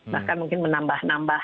bahkan mungkin menambah nambah